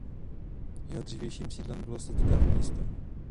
Jeho dřívějším sídlem bylo statutární město Brno.